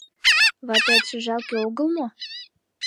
Ватетше жалке огыл мо?